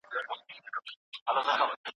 د هغې ښځې بریا تصادفي نه وه.